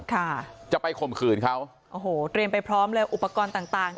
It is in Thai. ค่ะจะไปข่มขืนเขาโอ้โหเตรียมไปพร้อมเลยอุปกรณ์ต่างต่าง